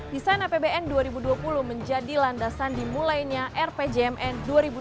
desain apbn dua ribu dua puluh menjadi landasan dimulainya rpjmn dua ribu dua puluh dua ribu dua puluh empat